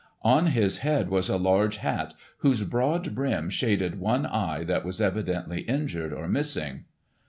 On his head was a large hat whose broad brim shaded one eye that was evidently injured or missing.